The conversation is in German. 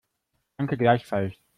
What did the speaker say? Danke, gleichfalls.